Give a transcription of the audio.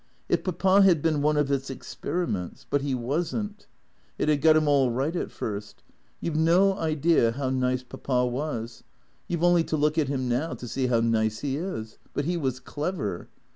" If Papa had been one of its experiments — but he was n't. 216 T II E C R E A T 0 K S It had got him all right at first. You 've no idea how nice Papa was. You 've only to look at him now to see how nice he is. But he was clever.